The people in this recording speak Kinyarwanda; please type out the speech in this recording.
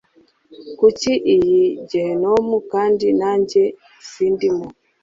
Kuki, iyi ari Gehinomu, kandi nanjye sindimo.